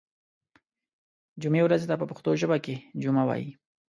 جمعې ورځې ته په پښتو ژبه کې جمعه وایی